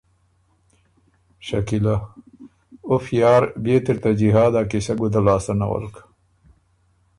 شکیلۀ: ”اُف یار بيې ت اِر ته جهاد ا قیصۀ ګُده لاسته نولک“